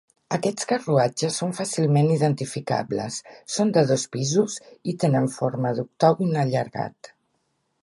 Aquests carruatges són fàcilment identificables: són de dos pisos i tenen forma d'octògon allargat.